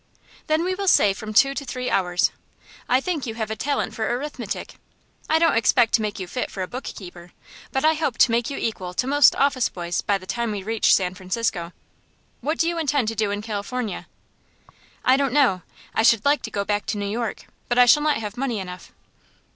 "Then we will say from two to three hours. I think you have talent for arithmetic. I don't expect to make you fit for a bookkeeper, but I hope to make you equal to most office boys by the time we reach San Francisco. What do you intend to do in California?" "I don't know. I should like to go back to New York, but I shall not have money enough."